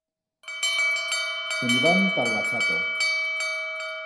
Se'n iban ta ro Bachato.